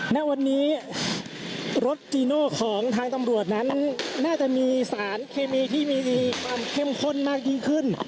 ณวันนี้รถจีโน่ของทางตำรวจนั้นน่าจะมีสารเคมีที่มีความเข้มข้นมากยิ่งขึ้น